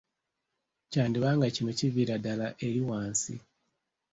Kyandiba nga kino kiviira ddala eri wansi